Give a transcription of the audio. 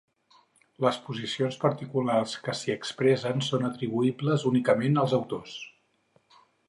Les posicions particulars que s'hi expressen són atribuïbles únicament als autors.